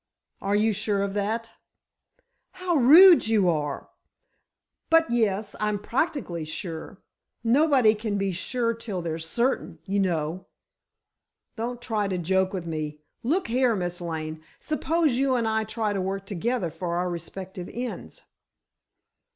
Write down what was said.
"Are you sure of that?" "How rude you are! But, yes—I'm practically sure. Nobody can be sure till they're certain, you know." "Don't try to joke with me. Look here, Miss Lane, suppose you and I try to work together for our respective ends."